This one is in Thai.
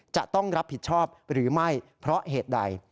จะต้องรับผิดชอบหรือไม่เพราะเหตุใด